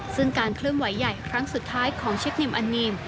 ซึ่งการเคลื่อนไหวใหญ่ครั้งสุดท้ายของชิคนิมอันนิม